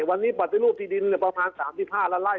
วันนี้ปฏิรูปที่ดินประมาณ๓๕ล้านไล่